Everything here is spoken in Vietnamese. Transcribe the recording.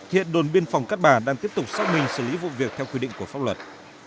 hiện đồn biên phòng cát bà đang tiếp tục xác minh xử lý vụ việc theo quy định của pháp luật